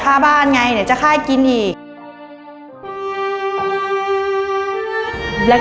ก็ข้าบ้านไงไหนจะข้าขินอีก